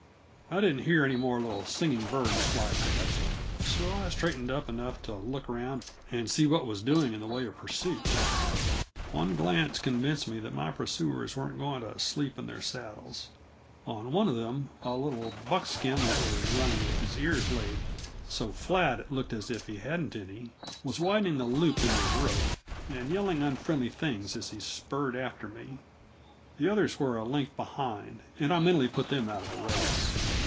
I didn't hear any more little singing birds fly past, so I straightened up enough to look around and see what was doing in the way of pursuit. One glance convinced me that my pursuers weren't going to sleep in their saddles. One of them, on a little buckskin that was running with his ears laid so flat it looked as if he hadn't any, was widening the loop in his rope, and yelling unfriendly things as he spurred after me; the others were a length behind, and I mentally put them out of the race.